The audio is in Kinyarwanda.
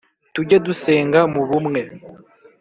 Tujye dusenga mu bumwe